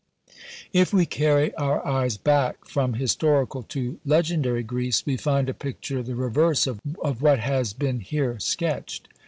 "If we carry our eyes back from historical to legendary Greece, we find a picture the reverse of what has been here sketched.